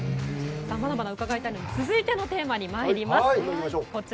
まだまだ伺いたいので続いてのテーマです。